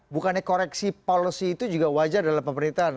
bukannya koreksi policy itu juga wajar dalam pemerintahan